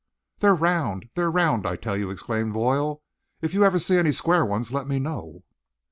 "They're round! They're round! I tell you!" exclaimed Boyle. "If you ever see any square ones let me know."